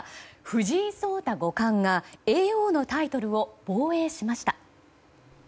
藤井聡太五冠が叡王のタイトルを防衛しました。